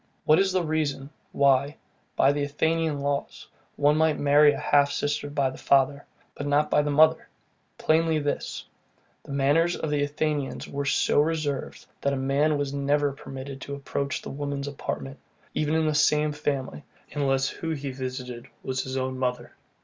What is the reason, why, by the Athenian laws, one might marry a half sister by the father, but not by the mother? Plainly this: The manners of the Athenians were so reserved, that a man was never permitted to approach the women's apartment, even in the same family, unless where he visited his own mother.